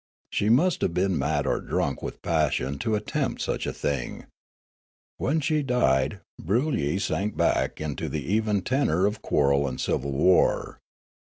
She must have been mad or drunk wnth passion to attempt such a thing. When she died Broolyi sank back into the even tenor of quarrel and civil war.